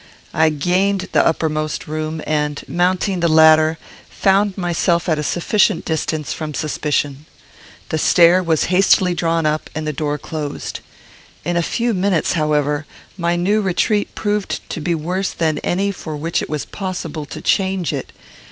I gained the uppermost room, and, mounting the ladder, found myself at a sufficient distance from suspicion. The stair was hastily drawn up, and the door closed. In a few minutes, however, my new retreat proved to be worse than any for which it was possible to change it.